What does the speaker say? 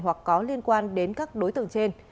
hoặc có liên quan đến các đối tượng trên